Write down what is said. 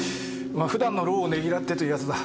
普段の労をねぎらってというやつだ。